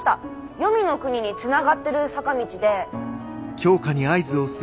黄泉の国につながってる坂道で。